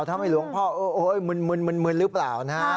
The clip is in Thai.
ทำให้หลวงพ่อเอ๋อหมื่นหมื่นรึเปล่านะฮะ